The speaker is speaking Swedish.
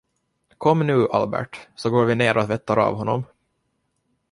Kom nu, Albert, så går vi ner och tvättar av honom!